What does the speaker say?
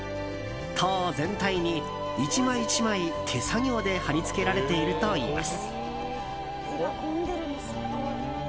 塔全体に１枚１枚、手作業で貼り付けられているといいます。